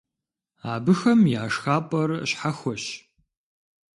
Абыхэм я шхапӀэр щхьэхуэщ.